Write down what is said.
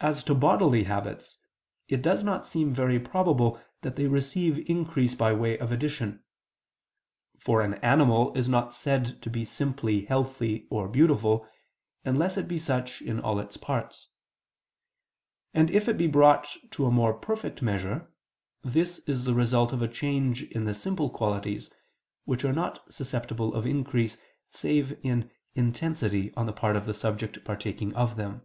As to bodily habits, it does not seem very probable that they receive increase by way of addition. For an animal is not said to be simply healthy or beautiful, unless it be such in all its parts. And if it be brought to a more perfect measure, this is the result of a change in the simple qualities, which are not susceptible of increase save in intensity on the part of the subject partaking of them.